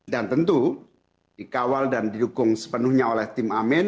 tentu dikawal dan didukung sepenuhnya oleh tim amin